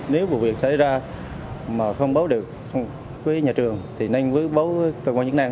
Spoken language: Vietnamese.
nếu vụ việc xảy ra mà không bố được với nhà trường thì nên bố với cơ quan nhân an